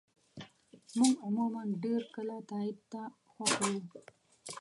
موږ عموماً ډېر کله تایید ته خوښ یو.